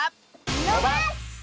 のばす！